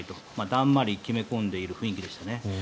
だんまりを決め込んでいる雰囲気でしたね。